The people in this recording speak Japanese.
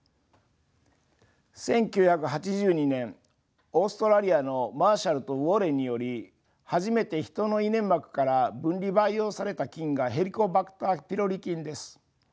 １９８２年オーストラリアのＭａｒｓｈａｌｌとＷａｒｒｅｎにより初めてヒトの胃粘膜から分離培養された菌がヘリコバクター・ピロリ菌です。